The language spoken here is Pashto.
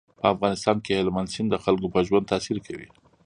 په افغانستان کې هلمند سیند د خلکو په ژوند تاثیر کوي.